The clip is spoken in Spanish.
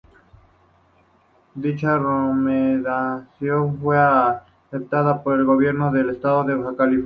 Dicha recomendación fue aceptada por el Gobierno del Estado de Baja California.